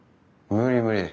無理無理。